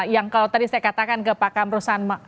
yang kalau tadi saya katakan ke pak kamrusan